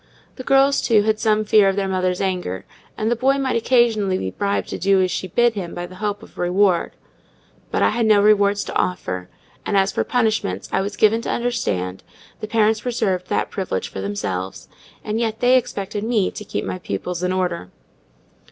The girls, too, had some fear of their mother's anger; and the boy might occasionally be bribed to do as she bid him by the hope of reward; but I had no rewards to offer; and as for punishments, I was given to understand, the parents reserved that privilege to themselves; and yet they expected me to keep my pupils in order.